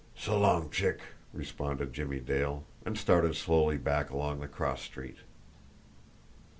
"S'long, Chick!" responded Jimmie Dale and started slowly back along the cross street.